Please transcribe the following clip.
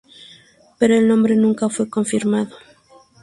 Pero el nombre nunca fue confirmado.